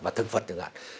và thường vật thường hạn